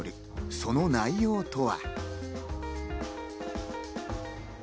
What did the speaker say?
その内容とは？